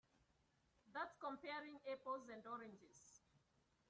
That's comparing apples and oranges.